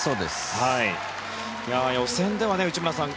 予選では内村さん